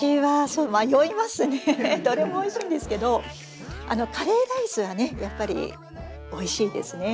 どれもおいしいんですけどカレーライスはやっぱりおいしいですね。